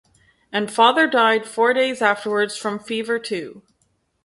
And father died four days afterwards from fever too.